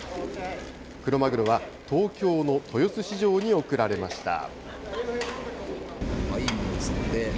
クロマグロは東京の豊洲市場に送られました。